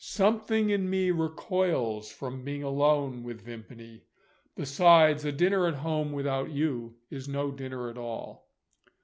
Something in me recoils from being alone with Vimpany. Besides, a dinner at home without you is no dinner at all."